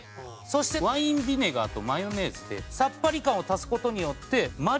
そしてワインビネガーとマヨネーズでさっぱり感を足す事によってマリネするんです。